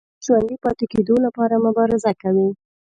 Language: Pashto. ښکاري د ژوندي پاتې کېدو لپاره مبارزه کوي.